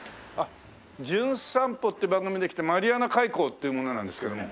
『じゅん散歩』って番組で来たマリアナ海溝っていう者なんですけども。